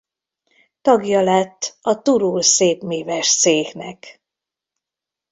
Tagja lett a Turul Szépmíves Céhnek.